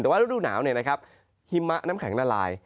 แต่ว่ารุดหนาวเนี่ยนะครับฮิมะน้ำแข็งละลาย